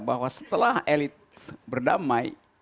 bahwa setelah elit berdamai